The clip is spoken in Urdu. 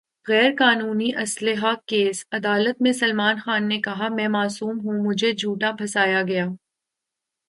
غیر قانونی اسلحہ کیس : عدالت میں سلمان خان نے کہا : میں معصوم ہوں ، مجھے جھوٹا پھنسایا گیا